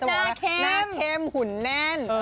หน้าเค็มหุ่นแน่น